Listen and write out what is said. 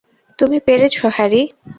তুমি পেরেছো, হ্যারি।